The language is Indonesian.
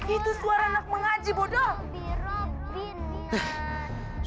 itu suara anak mengaji bodoh